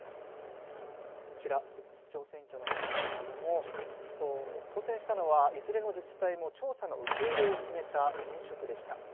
こちら寿都町選挙のものですけれども当選したのはいずれの自治体も調査の受け入れを決めた現職でした。